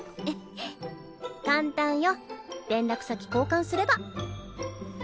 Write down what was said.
簡単よ連絡先交換すれば。